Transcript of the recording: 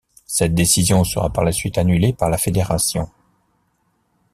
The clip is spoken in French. Cette décision sera par la suite annulée par la fédération.